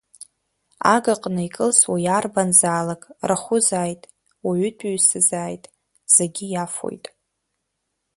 Агаҟны икылсуа иарбанзаалак рахәызааит, уаатәыҩсазааит, зегьы иафоит.